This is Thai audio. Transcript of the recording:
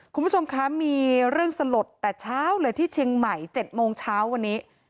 คุณผู้ชมคะมีเรื่องสลดแต่เช้าเลยที่เชียงใหม่๗โมงเช้าวันนี้